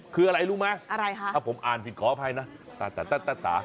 คืออะไรรู้ไหมถ้าผมอาจมิดเกาะอภัยนะอะไรคะ